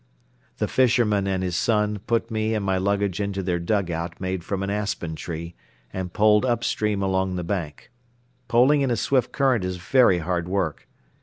The fisherman and his son put me and my luggage into their dugout made from an aspen tree and poled upstream along the bank. Poling in a swift current is very hard work.